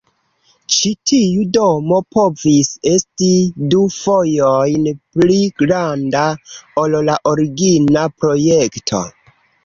Ĉi tiu domo povis esti du fojojn pli granda ol la origina projekto.